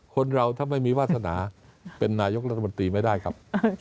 คนเราถ้าไม่มีวาสนาเป็นนายกรัฐมนตรีไม่ได้ครับ